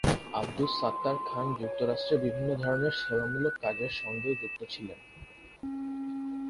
আবদুস সাত্তার খান যুক্তরাষ্ট্রে বিভিন্ন ধরনের সেবামূলক কাজের সঙ্গেও যুক্ত ছিলেন।